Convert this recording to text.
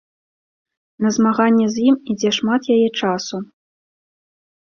На змаганне з ім ідзе шмат яе часу.